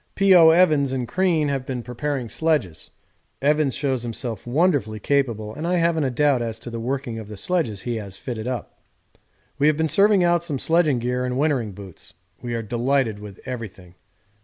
P.O. Evans and Crean have been preparing sledges; Evans shows himself wonderfully capable, and I haven't a doubt as to the working of the sledges he has fitted up. We have been serving out some sledging gear and wintering boots. We are delighted with everything.